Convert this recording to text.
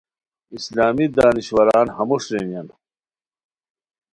اسلامی دانشوران ہموݰ رینیان